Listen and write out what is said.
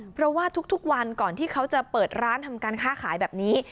เพราะว่าทุกวันก่อนที่เขาจะเปิดร้านทำการค้าขายแบบนี้